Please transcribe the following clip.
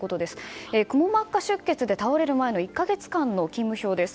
くも膜下出血で倒れる前の１か月間の勤務表です。